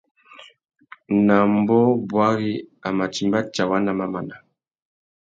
Nà ambōh bwari a mà timba tsawá nà mamana.